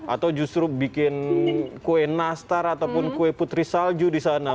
atau justru bikin kue nastar ataupun kue putri salju di sana